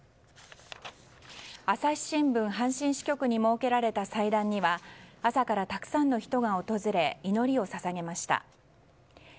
朝日新聞阪神支局に設けられた祭壇には朝からたくさんの人が訪れ祈りを捧げました。